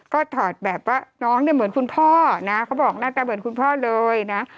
ก็ถอดแบบว่าน้องเนี่ยเหมือนคุณพ่อนะเขาบอกหน้าตาเหมือนคุณพ่อเลยนะ